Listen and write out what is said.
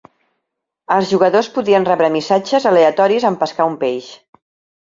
Els jugadors podien rebre missatges aleatoris en pescar un peix.